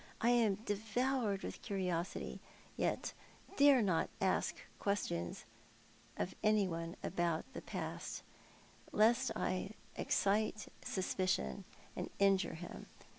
I am devoured with curiosity, yet dare not ask any questions of any one about the past, lest I should excite suspicion and injure him.